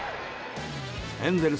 エンゼルス